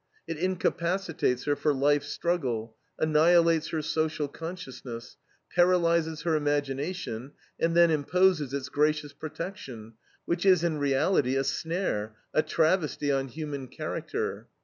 It incapacitates her for life's struggle, annihilates her social consciousness, paralyzes her imagination, and then imposes its gracious protection, which is in reality a snare, a travesty on human character.